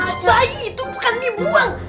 bayi itu bukan dibuang